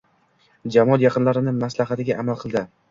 Jamol yaqinlarini maslahatiga amal qildi